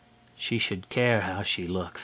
She should care how she looks.